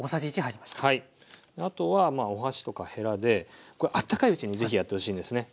あとはお箸とかヘラでこれあったかいうちに是非やってほしいんですね。